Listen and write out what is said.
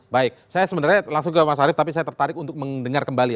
baik saya sebenarnya langsung ke mas arief tapi saya tertarik untuk mendengar kembali